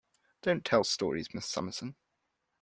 Don't tell stories, Miss Summerson.